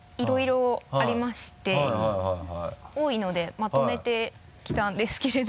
多いのでまとめてきたんですけれど。